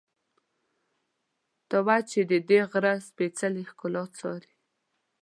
ته وا چې ددې غره سپېڅلې ښکلا څاري.